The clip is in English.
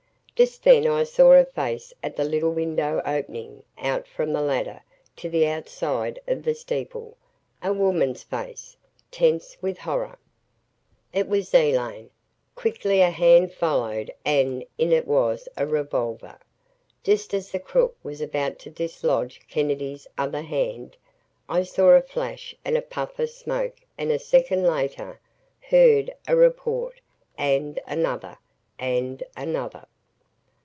Just then I saw a face at the little window opening out from the ladder to the outside of the steeple a woman's face, tense with horror. It was Elaine! Quickly a hand followed and in it was a revolver. Just as the crook was about to dislodge Kennedy's other hand, I saw a flash and a puff of smoke and a second later, heard a report and another and another.